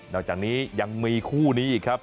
อกจากนี้ยังมีคู่นี้อีกครับ